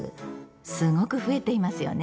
すごく増えていますよね。